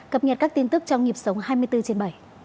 cập nhật các tin tức trong nhịp sống hai mươi bốn trên bảy